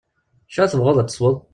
Acu ara tebɣuḍ ad tesweḍ?